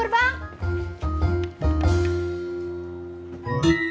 orangnya nggak di jemput